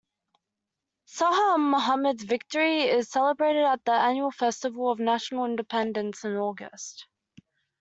Shah Mahmud's victory is celebrated at the annual festival of national independence in August.